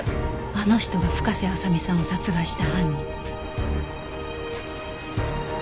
あの人が深瀬麻未さんを殺害した犯人